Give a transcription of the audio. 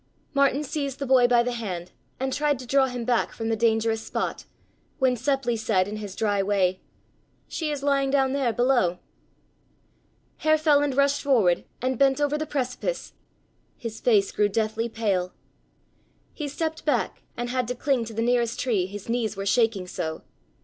Martin seized the boy by the hand and tried to draw him back from the dangerous spot, when Seppli said in his dry way: "She is lying down there below." Herr Feland rushed forward and bent over the precipice—his face grew deathly pale. He stepped back and had to cling to the nearest tree, his knees were shaking so.